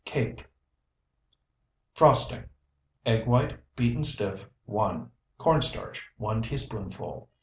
CAKE FROSTING Egg white, beaten stiff, 1. Corn starch, 1 teaspoonful.